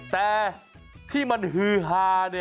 แต่ที่มันฮือฮา